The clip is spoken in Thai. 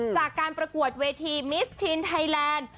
จากการประกวดเวทีมิสทีนไทยแลนด์